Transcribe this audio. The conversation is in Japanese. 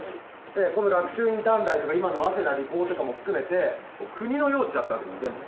この学習院短大とか今の早稲田理工とかも含めて国の用地だったわけ全部。